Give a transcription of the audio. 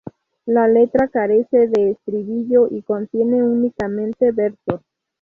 La letra carece de estribillo y contiene únicamente versos.